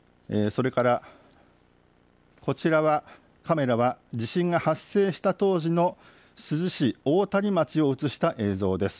それからこちら、カメラは地震が発生した当時の珠洲市大谷町を映した映像です。